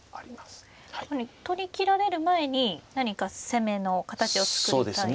取りきられる前に何か攻めの形を作りたいですね。